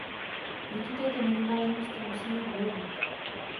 Proti této nevyváženosti musíme bojovat.